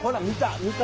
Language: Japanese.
見た。